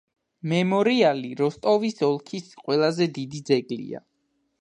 მემორიალი როსტოვის ოლქის ყველაზე დიდი ძეგლია.